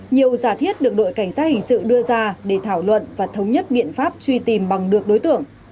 nhiều giả thiết được đội cảnh sát hình sự đưa ra để thảo luận và thống nhất biện pháp truy tìm bằng được đối tượng